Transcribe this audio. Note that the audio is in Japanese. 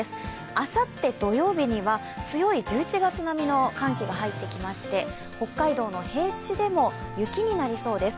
あさって、土曜日には強い１１月並みの寒気が入ってきまして北海道の平地でも、雪になりそうです。